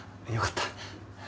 よかった。